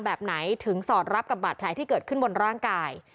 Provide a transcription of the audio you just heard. แบบไหนถึงสอดรับกับบาดแผลที่เกิดขึ้นบนร่างกาย